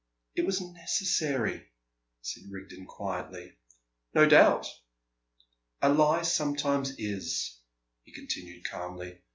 "It was necessary," said Rigden quietly. "No doubt!" "A lie sometimes is," he continued calmly.